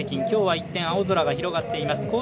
今日は一転、青空が広がっています。